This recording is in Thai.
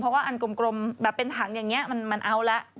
เพราะว่าอันกลมแบบเป็นถังอย่างนี้มันเอาละ